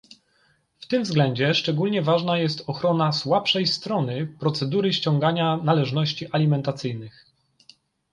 W tym względzie szczególnie ważna jest ochrona "słabszej strony" procedury ściągania należności alimentacyjnych